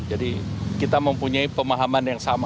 kita mempunyai pemahaman yang sama